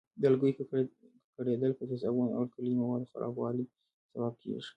د لرګیو ککړېدل په تیزابونو او القلي موادو خرابوالي سبب کېږي.